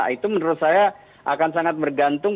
itu menurut saya akan sangat bergantung